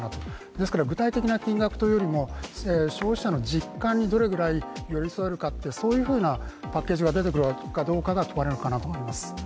ですから具体的な金額というよりも消費者の実感にどれぐらい寄り添えるか、そういうパッケージが出てくるかが問われるかと思います。